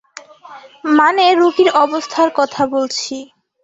মানে রুগীর অবস্থার কথা বলছি।